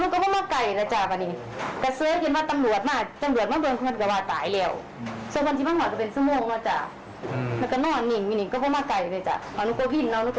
ครับ